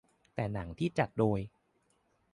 แต่หนังที่จัดโดย